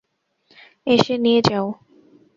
এসে নিয়ে যাও।